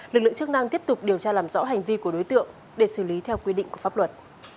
lực lượng chức năng tiếp tục điều tra làm rõ hành vi của đối tượng để xử lý theo quy định của pháp luật